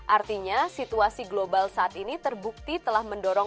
artinya situasi global saat ini terbukti telah mendorong